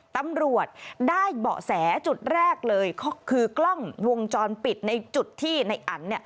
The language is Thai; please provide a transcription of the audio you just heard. ตำรวจได้เบาะแสจุดแรกเลยก็คือกล้องวงจรปิดในจุดที่ในอัน